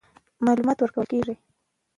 معلومات ورکول کېږي.